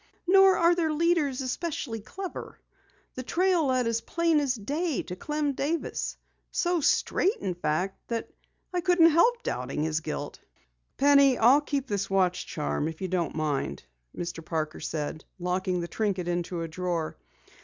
"Nor are their leaders especially clever. The trail led as plain as day to Clem Davis so straight, in fact, that I couldn't help doubting his guilt." "Penny, I'll keep this watch charm, if you don't mind," Mr. Parker said, locking the trinket into a drawer.